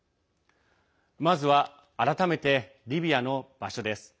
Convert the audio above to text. まずは改めて、リビアの場所です。